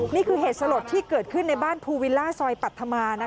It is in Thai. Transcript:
นี่คือเหตุสลดที่เกิดขึ้นในบ้านภูวิลล่าซอยปัธมา